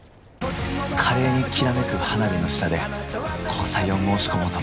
華麗にきらめく花火の下で交際を申し込もうと思います。